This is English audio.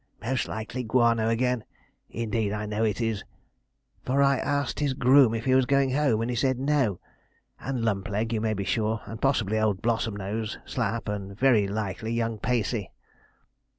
'Most likely Guano again; indeed, I know he is, for I asked his groom if he was going home, and he said no; and Lumpleg, you may be sure, and possibly old Blossomnose, Slapp, and, very likely, young Pacey.'